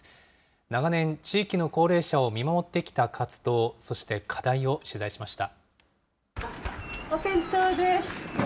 長年、地域の高齢者を見守ってきた活動、そして課題を取材しました。